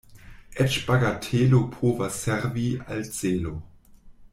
Eĉ bagatelo povas servi al celo.